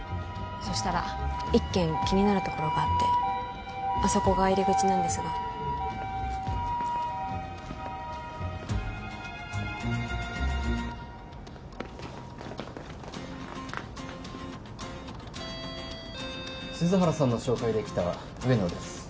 そしたら一軒気になるところがあってあそこが入り口なんですが鈴原さんの紹介で来た上野です